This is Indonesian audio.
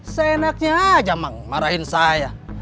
seenaknya aja mang marahin saya